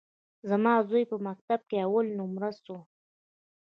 زما زوى په مکتب کښي اول نؤمره سو.